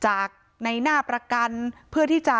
จนสนิทกับเขาหมดแล้วเนี่ยเหมือนเป็นส่วนหนึ่งของครอบครัวเขาไปแล้วอ่ะ